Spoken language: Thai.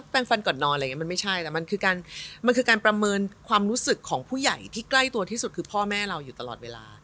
ฟันฟันก่อนนอนอะไรอย่างนี้มันไม่ใช่แต่มันคือการมันคือการประเมินความรู้สึกของผู้ใหญ่ที่ใกล้ตัวที่สุดคือพ่อแม่เราอยู่ตลอดเวลา